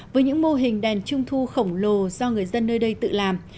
với những mô hình đèn trung thu khổng lồ do người dân nơi đây tự làm